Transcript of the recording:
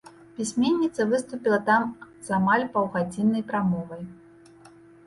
Пісьменніца выступіла там з амаль паўгадзіннай прамовай.